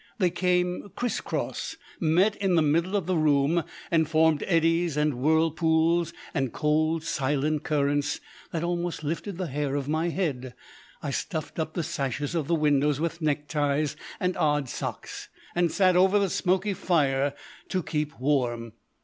They came criss cross, met in the middle of the room, and formed eddies and whirlpools and cold silent currents that almost lifted the hair of my head. I stuffed up the sashes of the windows with neckties and odd socks, and sat over the smoky fire to keep warm.